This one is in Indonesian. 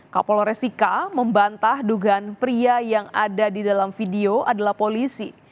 kapol resika membantah dugaan pria yang ada di dalam video adalah polisi